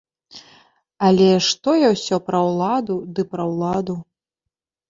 Але што я ўсё пра ўладу, ды пра ўладу.